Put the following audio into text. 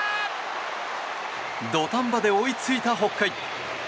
土壇場で追いついた北海。